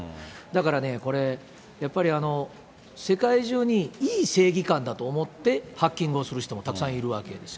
だからね、これ、やっぱり世界中に、いい正義感だと思って、ハッキングをする人もたくさんいるわけです。